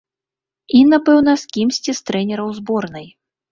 І, напэўна, з кімсьці з трэнераў зборнай.